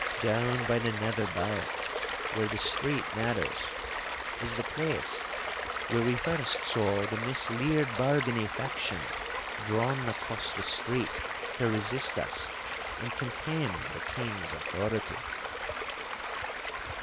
Down by the Nether Bow, where the street narrows, was the place where we first saw the misleared Bargany faction drawn across the street to resist us and contemn the King's authority.